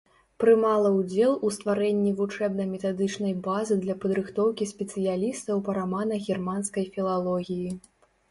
Прымала ўдзел у стварэнні вучэбна-метадычнай базы для падрыхтоўкі спецыялістаў па рамана-германскай філалогіі.